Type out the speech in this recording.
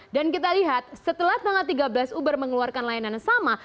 dan kita lihat setelah tanggal tiga belas uber mengeluarkan layanan yang sama